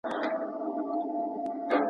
زه به غمجن وم .